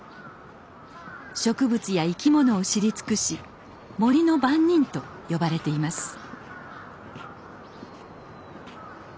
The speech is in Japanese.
植物や生き物を知り尽くし森の番人と呼ばれています